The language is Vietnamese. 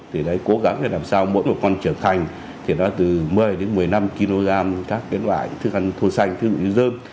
thì đấy cố gắng để làm sao mỗi một con trở thành thì nó từ một mươi đến một mươi năm kg các kiến loại thức ăn thua xanh thức ăn dơm